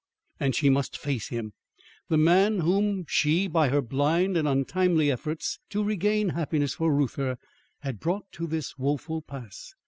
and she must face him! the man whom she by her blind and untimely efforts to regain happiness for Reuther, had brought to this woful pass!